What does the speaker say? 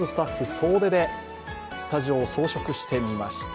総出でスタジオを装飾してみました。